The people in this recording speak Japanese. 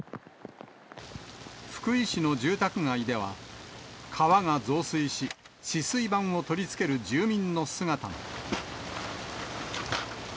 福井市の住宅街では、川が増水し、止水板を取り付ける住民の姿も。